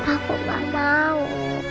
aku gak mau